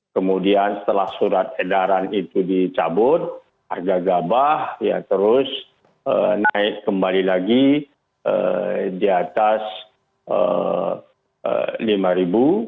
kemudian setelah surat edaran itu dicabut harga gabah ya terus naik kembali lagi di atas rp lima